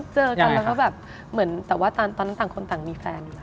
เจอกันแล้วก็แบบเหมือนแต่ว่าตอนนั้นต่างคนต่างมีแฟนอยู่แล้ว